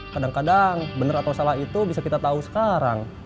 kadang kadang benar atau salah itu bisa kita tahu sekarang